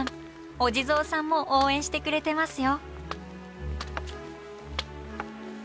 お地蔵さんも応援してくれてますよ。